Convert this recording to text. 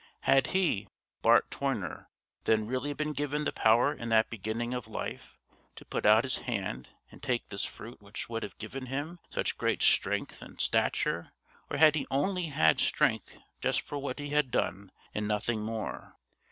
Had he, Bart Toyner, then really been given the power in that beginning of life to put out his hand and take this fruit which would have given him such great strength and stature, or had he only had strength just for what he had done and nothing more?